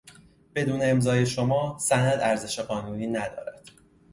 بدون امضای شما سند ارزش قانونی ندارد.